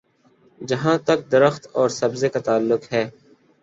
جہاں تک درخت اور سبزے کا تعلق ہے۔